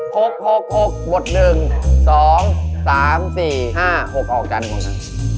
สองอกบทหนึ่งสองสามสี่ห้าหกออกกันหมดนะ